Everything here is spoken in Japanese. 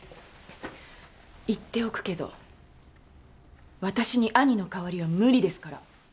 言っておくけど私に兄の代わりは無理ですから。